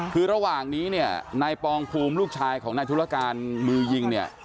คือระหว่างนี้เนี่ยนายปองภูมิลูกชายของนายธุรการมือยิงเนี่ย